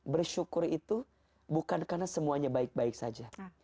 bersyukur itu bukan karena semuanya baik baik saja